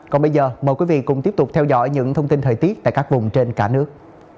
còn bây giờ mời quý vị cùng tiếp tục theo dõi những thông tin thời tiết tại các vùng trên cả nước